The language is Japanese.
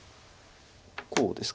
こうですか。